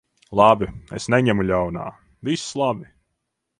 Labi. Es neņemu ļaunā. Viss labi.